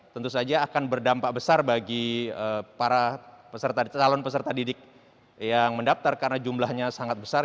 tentu saja akan berdampak besar bagi para peserta calon peserta didik yang mendaftar karena jumlahnya sangat besar